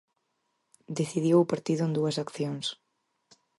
Decidiu o partido en dúas accións.